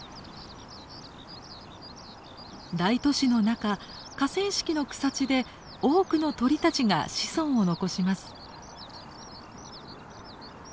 大都市の中河川敷の草地で多くの鳥たちが子孫を残します。